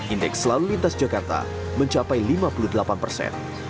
indeks selalu lintas jakarta mencapai lima puluh delapan persen